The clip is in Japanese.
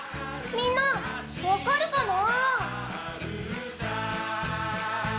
みんな、分かるかな？